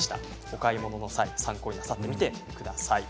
お買い物の際に参考になさってください。